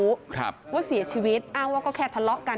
ครับว่าเสียชีวิตอ้างว่าก็แค่ทะเลาะกัน